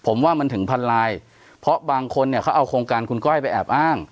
ผมว่ามันถึงพันลายเพราะบางคนเนี่ยเขาเอาโครงการคุณก้อยไปแอบอ้าง